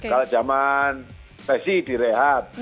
kalau zaman pesi direhat